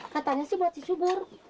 katanya sih buat si subur